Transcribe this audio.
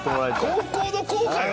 高校の校歌よ